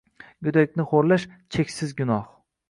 Go’dakni ho’rlash- cheksiz gunoh.